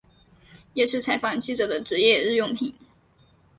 也是采访记者的职业日用品。